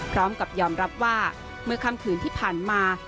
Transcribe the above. พร้อมกับยอมรับว่าเมื่อค่ำคืนที่ผ่านมา